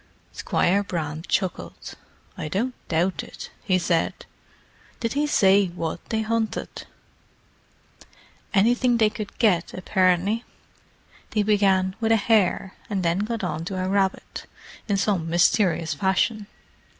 Squire Brand chuckled. "I don't doubt it," he said. "Did he say what they hunted?" "Anything they could get, apparently. They began with a hare, and then got on to a rabbit, in some mysterious fashion.